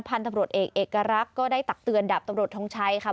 พันธุ์ตำรวจเอกเอกรักษ์ก็ได้ตักเตือนดับตำรวจทงชัยค่ะ